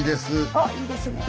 あっいいですねえ。